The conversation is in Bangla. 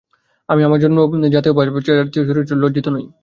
আমি আমার জন্ম, জাতি বা জাতীয় চরিত্রের জন্য লজ্জিত নই।